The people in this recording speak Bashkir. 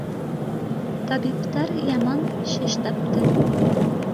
Табиптар яман шеш тапты.